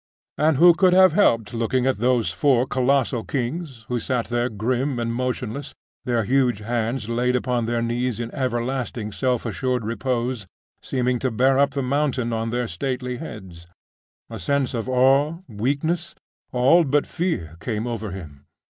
And who could have helped looking at those four colossal kings, who sat there grim and motionless, their huge hands laid upon their knees in everlasting self assured repose, seeming to bear up the mountain on their stately heads? A sense of awe, weakness, all but fear, came over him.